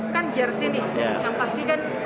kan jersi nih yang pasti kan